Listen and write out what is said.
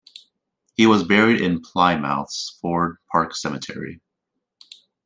He was buried in Plymouth's Ford Park Cemetery.